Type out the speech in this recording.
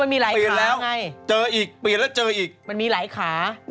ไม่มีนะเปลี่ยนแล้วเจออีกเปลี่ยนแล้วเจออีกมันมีไร้ขา